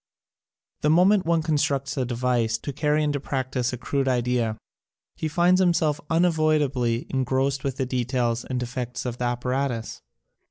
The moment one constructs a device to carry into practise a crude idea he finds himself unavoidably engrost with the de tails and defects of the apparatus.